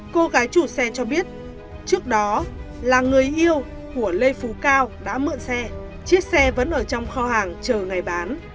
cô gái chủ xe cho biết trước đó là người yêu của lê phú cao đã mượn xe chiếc xe vẫn ở trong kho hàng chờ ngày bán